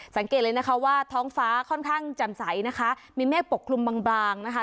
สังเกตเลยนะคะว่าท้องฟ้าค่อนข้างจำใสนะคะมีเมฆปกคลุมบางบางนะคะ